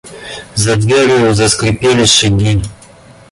За дверью заскрипели шаги.